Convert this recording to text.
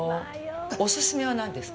お勧めは何ですか。